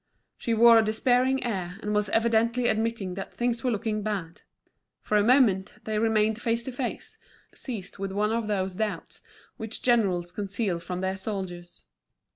She wore a despairing air, and was evidently admitting that things were looking bad. For a moment they remained face to face, seized with one of those doubts which generals conceal from their soldiers.